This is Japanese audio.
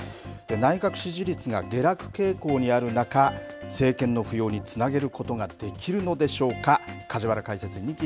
内閣支持率が下落傾向にある中政権の浮揚につなげることができるのでしょうか。